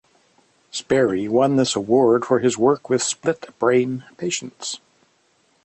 Sperry won this award for his work with "split-brain" patients.